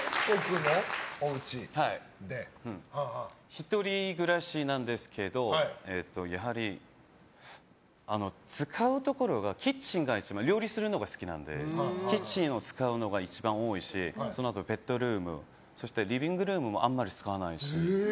１人暮らしなんですけどやはり、使うところがキッチン料理するのが好きなのでキッチンを使うのが一番多いしそのあとベッドルームそして、リビングルームもあんまり使わないし。